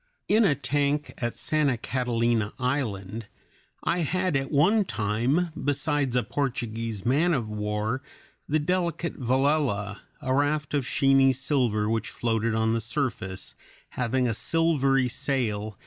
] In a tank at Santa Catalina Island I had at one time, besides a Portuguese man of war, the delicate Velella, a raft of sheeny silver which floated on the surface, having a silvery sail (Fig.